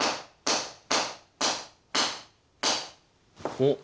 おっ！